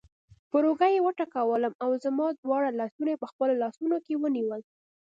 پر اوږه یې وټکولم او زما دواړه لاسونه یې په خپلو لاسونو کې ونیول.